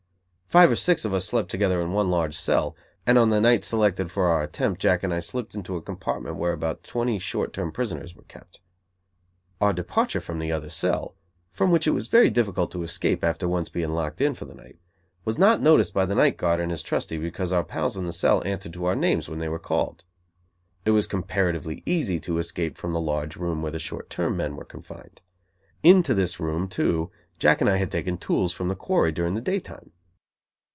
Five or six of us slept together in one large cell, and on the night selected for our attempt, Jack and I slipped into a compartment where about twenty short term prisoners were kept. Our departure from the other cell, from which it was very difficult to escape after once being locked in for the night, was not noticed by the night guard and his trusty because our pals in the cell answered to our names when they were called. It was comparatively easy to escape from the large room where the short term men were confined. Into this room, too, Jack and I had taken tools from the quarry during the daytime.